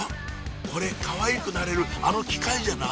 これかわいくなれるあの機械じゃない？